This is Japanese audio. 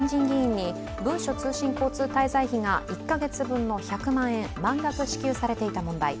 在職一日の新人議員に文書通信交通滞在費が１か月分の１００万円満額支給されていた問題。